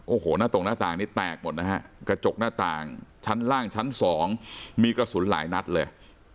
โอ้โหหน้าตรงหน้าต่างนี้แตกหมดนะฮะกระจกหน้าต่างชั้นล่างชั้นสองมีกระสุนหลายนัดเลย